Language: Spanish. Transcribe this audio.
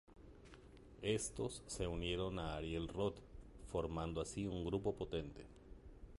Estos se unieron a Ariel Rot formando así un grupo potente.